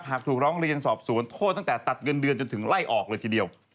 ถูกร้องเรียนสอบสวนโทษตั้งแต่ตัดเงินเดือนจนถึงไล่ออกเลยทีเดียว